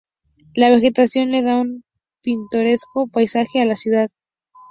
La vegetación le da un pintoresco paisaje a la ciudad.